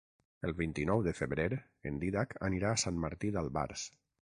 El vint-i-nou de febrer en Dídac anirà a Sant Martí d'Albars.